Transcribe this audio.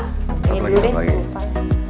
satu lagi satu lagi